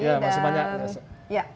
ya terima kasih banyak